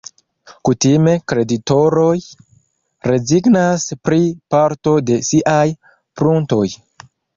Kutime kreditoroj rezignas pri parto de siaj pruntoj.